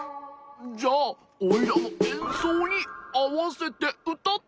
じゃオイラのえんそうにあわせてうたって！